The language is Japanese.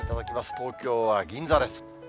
東京は銀座です。